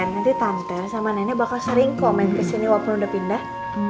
nanti tante sama nenek bakal sering komen kesini wapun udah pindah